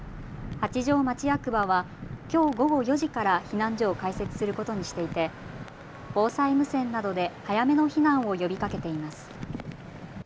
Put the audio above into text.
八丈町役場はきょう午後４時から避難所を開設することにしていて防災無線などで早めの避難を呼びかけています。